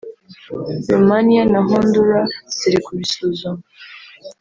Romania na Honduras ziri kubisuzuma